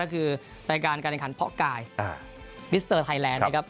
ก็คือรายการการแข่งขันเพาะกายมิสเตอร์ไทยแลนด์นะครับ